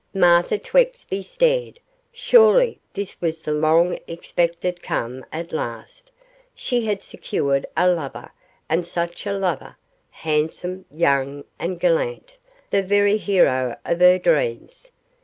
Martha Twexby stared; surely this was the long expected come at last she had secured a lover; and such a lover handsome, young, and gallant, the very hero of her dreams.